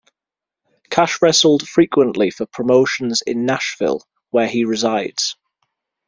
Kash wrestled frequently for promotions in Nashville, where he resides.